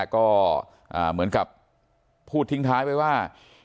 ก็เหมือนกับพูดทิ้งท้ายไว้ว่า